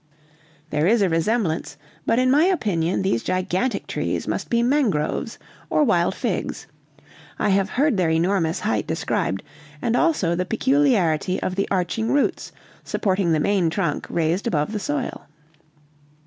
"There is a resemblance, but in my opinion these gigantic trees must be mangroves or wild figs. I have heard their enormous height described, and also the peculiarity of the arching roots supporting the main trunk raised above the soil."